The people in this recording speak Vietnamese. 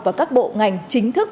và các bộ ngành chính thức